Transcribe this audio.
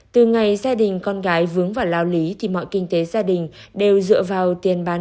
từ ngày gia đình con gái vướng vào lao lý thì mọi kinh tế gia đình đều dựa vào tiền bán